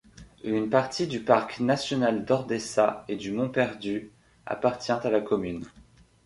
Une partie du Parc national d'Ordesa et du Mont-Perdu appartient à la commune.